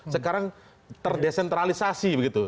sekarang terdesentralisasi begitu